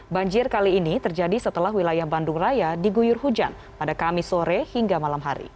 banjir kali ini terjadi setelah wilayah bandung raya diguyur hujan pada kamis sore hingga malam hari